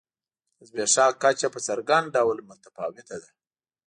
د زبېښاک کچه په څرګند ډول متفاوته ده.